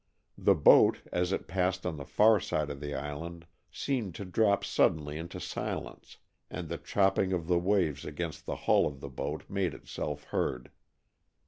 The boat, as it passed on the far side of the island, seemed to drop suddenly into silence, and the chopping of the waves against the hull of the boat made itself heard.